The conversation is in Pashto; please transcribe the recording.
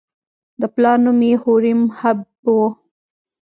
د پلار نوم یې هوریم هب و.